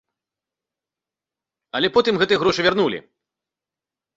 Але потым гэтыя грошы вярнулі.